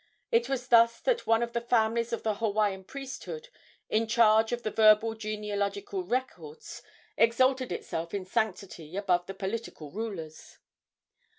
It was thus that one of the families of the Hawaiian priesthood, in charge of the verbal genealogical records, exalted itself in sanctity above the political rulers.